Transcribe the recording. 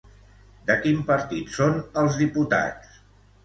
De quin partit són els diputats?